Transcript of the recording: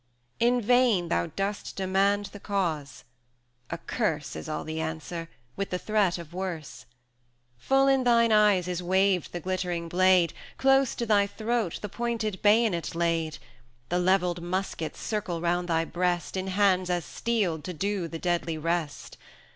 In vain thou dost demand the cause: a curse Is all the answer, with the threat of worse. 70 Full in thine eyes is waved the glittering blade, Close to thy throat the pointed bayonet laid. The levelled muskets circle round thy breast In hands as steeled to do the deadly rest.